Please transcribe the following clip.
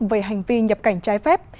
về hành vi nhập cảnh trái phép